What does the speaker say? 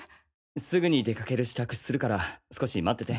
すぐに出かける支度するから少し待ってて。